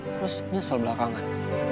terus nyesel belakangan